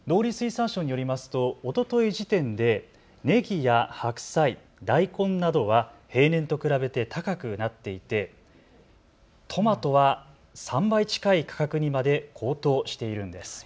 農林水産省によりますとおととい時点でねぎや白菜、大根などは平年と比べて高くなっていてトマトは３倍近い価格にまで高騰しているんです。